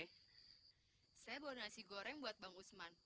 saya bawa nasi goreng buat bang usman